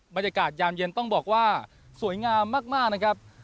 ยามเย็นต้องบอกว่าสวยงามมากนะครับ